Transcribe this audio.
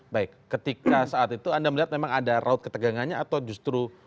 baik ketika saat itu anda melihat memang ada raut ketegangannya atau justru